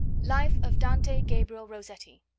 Life of Dante Gabriel Rossetti.